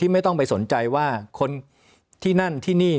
ไม่ต้องไปสนใจว่าคนที่นั่นที่นี่